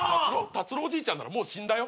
タツロウおじいちゃんならもう死んだよ。